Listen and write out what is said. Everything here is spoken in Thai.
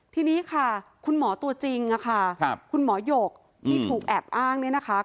ทีนี้ค่ะคุณหมอตัวจริงค่ะคุณหมอหยกที่ถูกแอบอ้างเนี่ยนะคะ